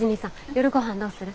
夜ごはんどうする？